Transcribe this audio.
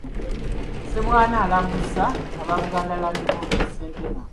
Ssebwana alambuzza aba Buganda Land Board e Ssentema.